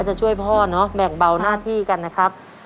จะช่วยพ่อเนาะแบ่งเบาหน้าที่กันนะครับ